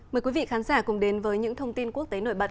mời quý vị khán giả cùng đến với những thông tin quốc tế nổi bật